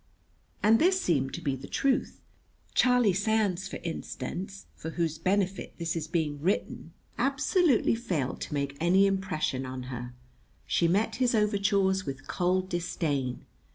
And this seemed to be the truth. Charlie Sands, for instance, for whose benefit this is being written, absolutely failed to make any impression on her. She met his overtures with cold disdain.